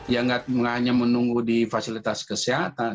yang hanya menunggu di fasilitas kesehatan